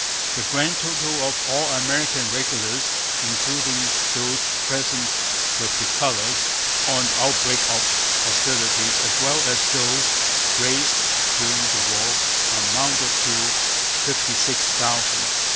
The grand total of all American regulars, including those present with the colours on the outbreak of hostilities as well as those raised during the war, amounted to fifty six thousand.